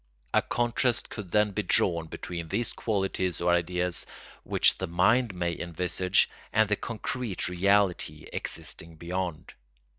A contrast could then be drawn between these qualities or ideas, which the mind may envisage, and the concrete reality existing beyond.